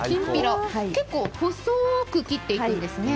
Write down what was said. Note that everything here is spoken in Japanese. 結構細く切ってくんですね。